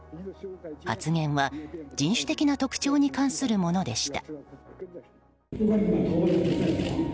発言は人種的な特徴に関するものでした。